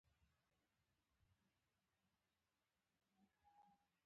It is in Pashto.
دا چې تړاو ذاتي جنبه نه لري.